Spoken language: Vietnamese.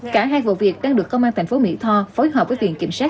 cả hai vụ việc đang được công an thành phố mỹ tho phối hợp với tuyển kiểm soát